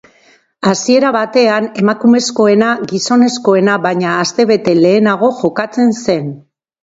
Hasiera batean, emakumezkoena gizonezkoena baina aste bete lehenago jokatzen zen.